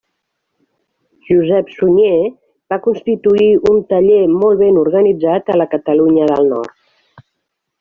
Josep Sunyer va constituir un taller molt ben organitzat a la Catalunya del Nord.